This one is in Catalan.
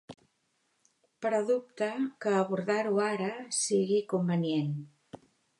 Però dubta que abordar-ho ara sigui convenient.